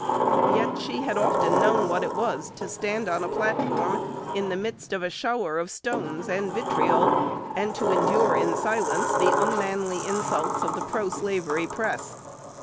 Yet she had often known what it was to stand on a platform in the midst of a shower of stones and vitriol, and to endure in silence the unmanly insults of the pro slavery press.